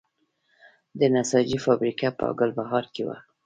د نساجي فابریکه په ګلبهار کې وه